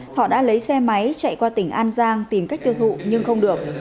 họ đã lấy xe máy chạy qua tỉnh an giang tìm cách tiêu thụ nhưng không được